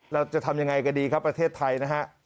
เราจะทำยังไงก็ดีครับประเทศไทยนะฮะ